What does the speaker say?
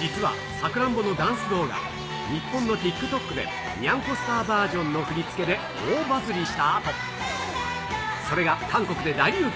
実はさくらんぼのダンス動画、日本のＴｉｋＴｏｋで、にゃんこスターバージョンの振り付けで大バズりしたあと、それが韓国で大流行。